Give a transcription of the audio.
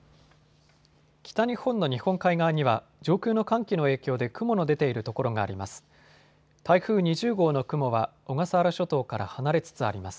北日本の日本海側には上空の寒気の影響で雲の出ている所があります。